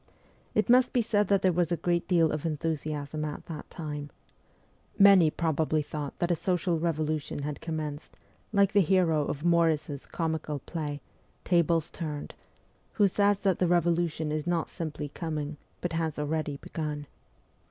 It must be said that there was a great deal of enthusiasm at that time. Many probably thought that a social revolution had com menced, like the hero of Morris's comical play, ' Tables WESTERN EUROPE 315 Turned,' who says that the revolution is not simply coming, but has already begun.